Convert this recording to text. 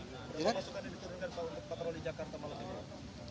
sudah pasukan yang turun kan untuk patroli jakarta malam ini